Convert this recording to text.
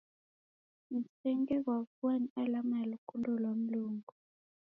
Msenge ghwa vua ni alama ya lukundo lwa Mlungu.